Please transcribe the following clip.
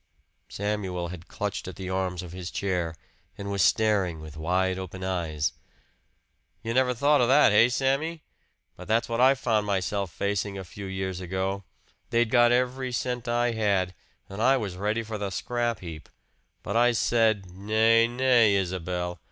Samuel had clutched at the arms of his chair and was staring with wide open eyes. "You never thought of that, hey, Sammy? But that's what I found myself facing a few years ago. They'd got every cent I had, and I was ready for the scrap heap. But I said, 'Nay, nay, Isabel!'